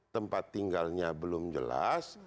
tempat tinggalnya belum jelas